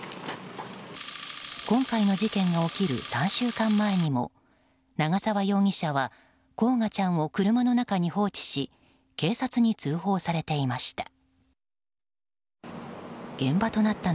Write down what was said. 今回の事件が起きる３週間前にも長沢容疑者は煌翔ちゃんを車の中に放置し警察に通報されていました。